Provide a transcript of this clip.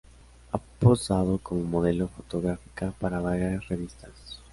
Ha posado como modelo fotográfica para varias revistas.